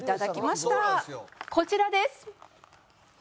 こちらです。